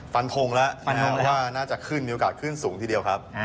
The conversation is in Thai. ฟันทงแล้วว่าน่าจะขึ้นมีโอกาสขึ้นสูงทีเดียวครับ